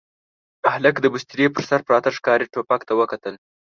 هلک د بسترې پر سر پراته ښکاري ټوپک ته وکتل.